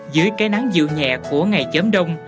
dưới cái nắng dịu nhẹ của ngày chớm đông